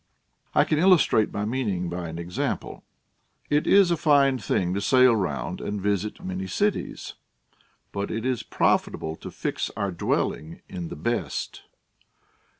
I can illustrate my meaning by an example. It is a fine thing to sail round and visit many cities, but it is profitable to fix our dwellii;g in the best.